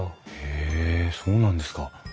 へえそうなんですか。